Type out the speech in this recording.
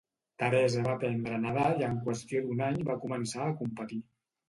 Teresa va aprendre a nedar i en qüestió d'un any va començar a competir.